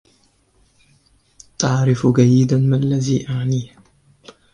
تعرف جيّدا ما الّذي أعنيه.